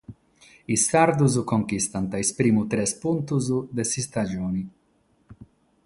Sos sardos conchistant sos primos tres puntos de s'istajone.